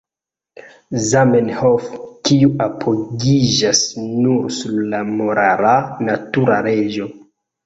Zamenhof, kiu apogiĝas nur sur la morala natura leĝo.